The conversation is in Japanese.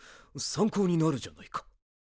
参考になるじゃないか。